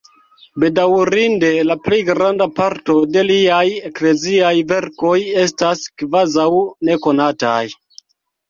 Bedaŭrinde la plej granda parto de liaj ekleziaj verkoj estas kvazaŭ nekonataj.